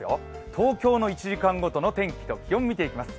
東京の１時間ごとの天気と気温を見ていきます。